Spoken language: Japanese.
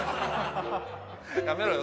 やめろよ？